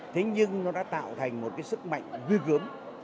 thế nhưng nó đã tạo thành một cái sức mạnh gớm